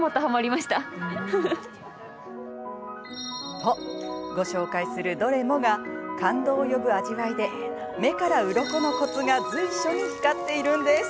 と、ご紹介するどれもが感動を呼ぶ味わいで目からうろこのコツが随所に光っているんです。